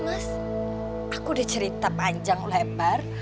mas aku udah cerita panjang lebar